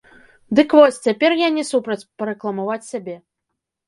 Дык вось, цяпер я не супраць парэкламаваць сябе.